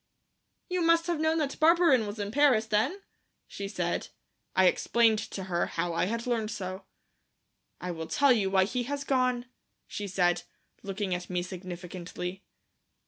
"You must have known that Barberin was in Paris, then?" she said. I explained to her how I had learned so. "I will tell you why he has gone," she said, looking at me significantly.